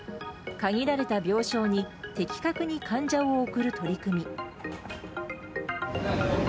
限られた病床に的確に患者を送る取り組み。